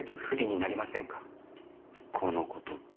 このことって？